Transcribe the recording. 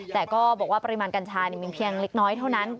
แต่ก็บอกว่าปริมาณกัญชามีเพียงเล็กน้อยเท่านั้น